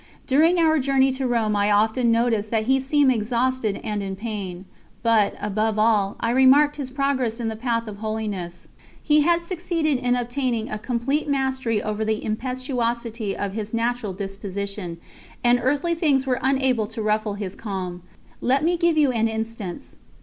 During our journey to Rome I often noticed that he seemed exhausted and in pain. But, above all, I remarked his progress in the path of holiness; he had succeeded in obtaining a complete mastery over the impetuosity of his natural disposition, and earthly things were unable to ruffle his calm. Let me give you an instance.